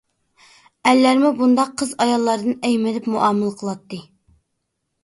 ئەرلەرمۇ بۇنداق قىز-ئاياللاردىن ئەيمىنىپ مۇئامىلە قىلاتتى.